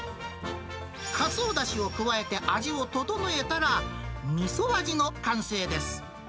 カツオだしを加えて味をととのえたら、みそ味の完成です。